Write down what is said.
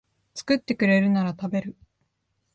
作ってくれるなら食べる